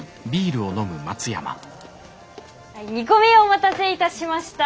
煮込みお待たせいたしました。